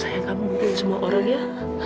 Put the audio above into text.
sayang kamu buktiin semua orang ya